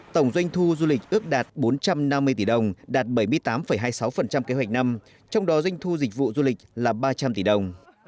tổng doanh thu du lịch ước đạt bốn trăm năm mươi tỷ đồng đạt bảy mươi tám hai mươi sáu kế hoạch năm trong đó doanh thu dịch vụ du lịch là ba trăm linh tỷ đồng